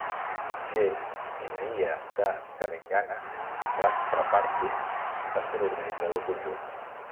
G. Innaiah de Telangana Rashtra Party va ser l"organitzador conjunt.